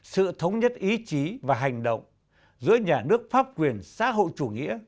sự thống nhất ý chí và hành động giữa nhà nước pháp quyền xã hội chủ nghĩa